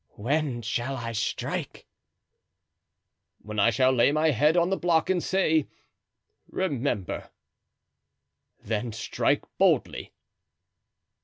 "When shall I strike?" "When I shall lay my head on the block and say 'Remember!' then strike boldly."